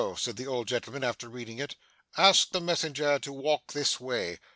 said the old gentleman after reading it, 'ask the messenger to walk this way.